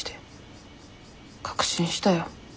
確信したよ。